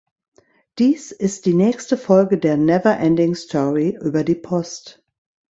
Dies ist die nächste Folge der never ending story über die Post.